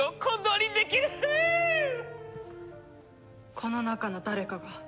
この中の誰かが。